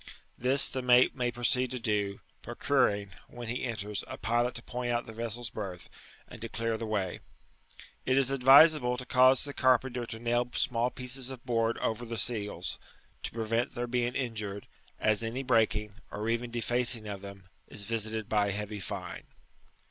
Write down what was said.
This the mate may proceed to do, procuring, when he enters, a pilot to point out the vessel's berth, and to clear the way. It is advisable to cause the car penter to nail small pieces of board over the seals, to prevent their being injured, as any breaking, or even defacing of them, is visited by a heavy fine.